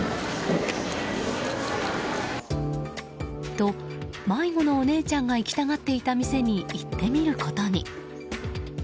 と、迷子のお姉ちゃんが行きたがっていた店に行ってみることに。